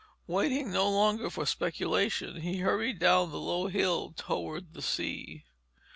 Waiting no longer for speculation, he hurried down the low hill toward the sea.